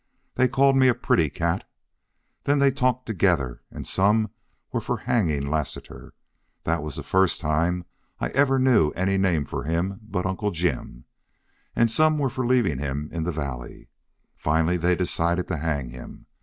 They called me a pretty cat. Then they talked together, and some were for hanging Lassiter that was the first time I ever knew any name for him but Uncle Jim and some were for leaving him in the valley. Finally they decided to hang him.